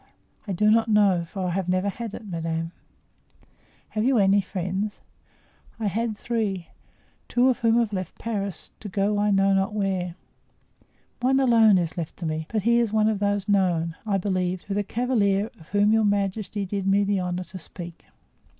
"I do not know, for I have never had it, madame." "Have you any friends?" "I had three, two of whom have left Paris, to go I know not where. One alone is left to me, but he is one of those known, I believe, to the cavalier of whom your majesty did me the honor to speak."